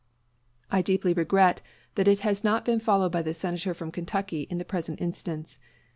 I deeply regret that it has not been followed by the Senator from Kentucky in the present instance.